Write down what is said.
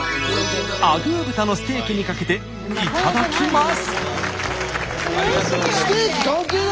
アグー豚のステーキにかけていただきます！